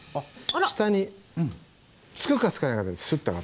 下につくかつかないかぐらいでスッて上がって。